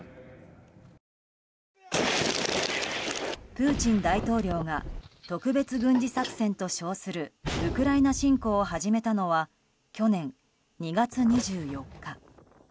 プーチン大統領が特別軍事作戦と称するウクライナ侵攻を始めたのは去年２月２４日。